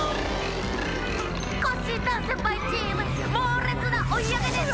「コッシー・ダンせんぱい」チームもうれつなおいあげです！